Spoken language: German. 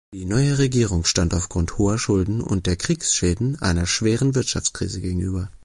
Die neue Regierung stand aufgrund hoher Schulden und der Kriegsschäden einer schweren Wirtschaftskrise gegenüber.